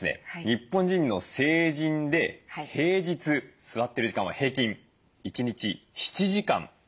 日本人の成人で平日座ってる時間は平均１日７時間なんだそうです。